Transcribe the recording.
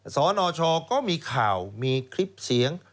สนชก็มีข่าวมีคลิปเสียง